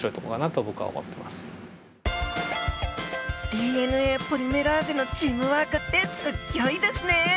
ＤＮＡポリメラーゼのチームワークってすっギョいですねえ！